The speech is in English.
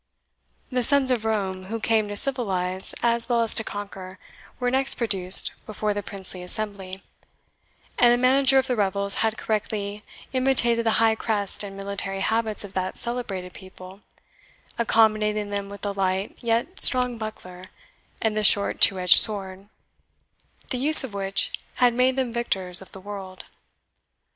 The sons of Rome, who came to civilize as well as to conquer, were next produced before the princely assembly; and the manager of the revels had correctly imitated the high crest and military habits of that celebrated people, accommodating them with the light yet strong buckler and the short two edged sword, the use of which had made them victors of the world.